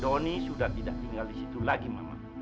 joni sudah tidak tinggal di situ lagi mama